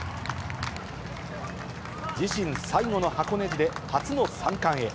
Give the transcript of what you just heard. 自身最後の箱根路で、初の三冠へ。